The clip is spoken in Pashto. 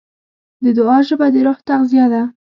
د دعا ژبه د روح تغذیه ده.